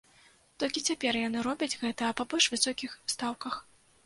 Толькі цяпер яны робяць гэта па больш высокіх стаўках.